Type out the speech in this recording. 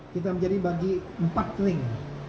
kita menjadi bagi empat ring